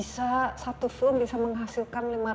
satu film bisa menghasilkan